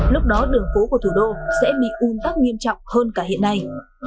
lúc đó đường phố của thủ đô sẽ bị un tắc nghiêm trọng hơn cả hiện nay